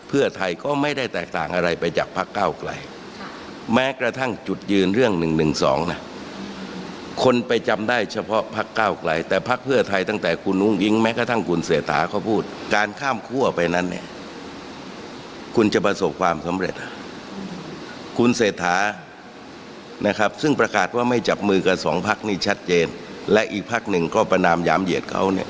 และอีกพักหนึ่งก็ประนามหยามเหยียดเขาเนี่ย